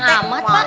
panjang amat pak